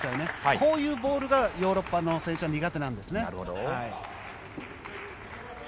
こういうボールがヨーロッパの選手は苦手なんですよね。